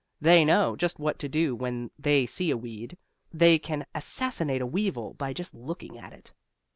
They know, just what to do when they see a weed; they can assassinate a weevil by just looking at it.